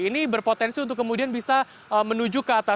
ini berpotensi untuk kemudian bisa menuju ke atas